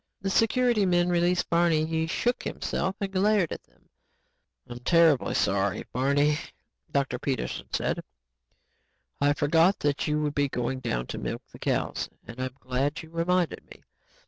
The security men released Barney. He shook himself and glared at them. "I'm terribly, sorry, Barney," Dr. Peterson said. "I forgot that you would be going down to milk the cows and I'm glad you reminded me.